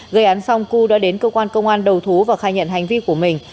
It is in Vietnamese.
gây án xong cư đã đến cơ quan công an đầu thú và khai nhận hành vi của mình